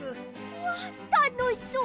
うわったのしそう！